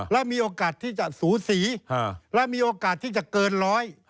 และมีโอกาสที่จะสูสีและมีโอกาสที่จะเกินร้อย